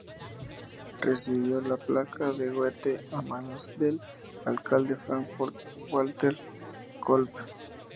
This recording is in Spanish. Recibió la placa de Goethe a manos del alcalde de Francfort, Walter Kolb.